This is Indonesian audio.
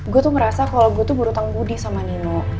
gue tuh ngerasa kalo gue tuh buru tanggudi sama nino